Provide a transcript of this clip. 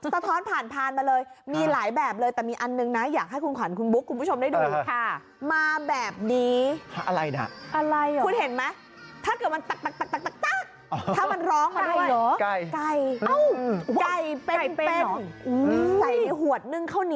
สะท้อนผ่านมาเลยมีหลายแบบเลยแต่มีอันนึงอยากให้คุณขวัญคุณบุ๊คคุณผู้ชมได้ดูค่ะ